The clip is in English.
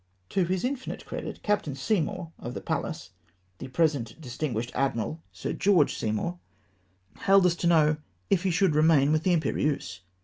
'" To his infinite credit. Captain Seymour, of the Pallas (the present distinguished admiral, Sir George Sey CAPTAIN SEYMOUR. 393 mour), hailed us to know " if lie should remain with the Imperieuse